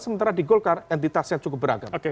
sementara di golkar entitas yang cukup beragam